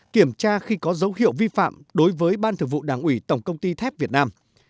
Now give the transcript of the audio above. một kiểm tra khi có dấu hiệu vi phạm đối với ban thường vụ đảng ủy tổng công ty thép việt nam